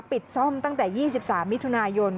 ปิดซ่อมตั้งแต่๒๓มิถุนายน